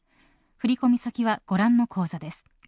振込先はご覧の口座です。